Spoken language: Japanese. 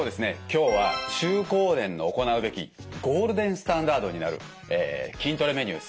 今日は中高年の行うべきゴールデンスタンダードになる筋トレメニュー